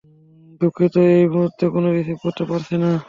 দুঃখিত এই মূহুর্তে ফোন রিসিভ করতে পারছিনা।